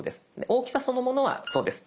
大きさそのものはそうです。